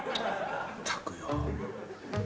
ったくよ。